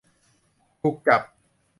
ถูกจับ